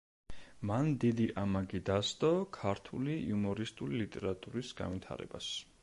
მან დიდი ამაგი დასდო ქართული იუმორისტული ლიტერატურის განვითარებას.